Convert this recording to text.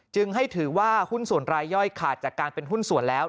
จึงให้ถือว่าหุ้นส่วนรายย่อยขาดจากการเป็นหุ้นส่วนแล้ว